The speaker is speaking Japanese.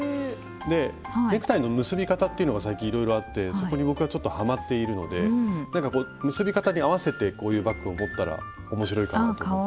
でネクタイの結び方っていうのが最近いろいろあってそこに僕がちょっとハマっているのでなんかこう結び方に合わせてこういうバッグを持ったら面白いかなと思って。